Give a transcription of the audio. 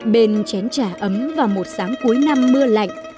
bên chén trải ấm vào một sáng cuối năm mưa lạnh